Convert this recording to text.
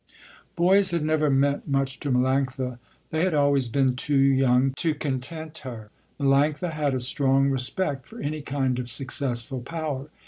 Boys had never meant much to Melanctha. They had always been too young to content her. Melanctha had a strong respect for any kind of successful power.